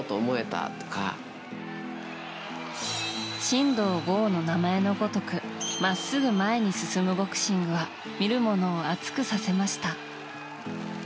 真道ゴーの名前のごとくまっすぐ前に進むボクシングは見るものを熱くさせました。